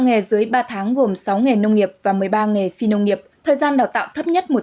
nghề dưới ba tháng gồm sáu nghề nông nghiệp và một mươi ba nghề phi nông nghiệp thời gian đào tạo thấp nhất một mươi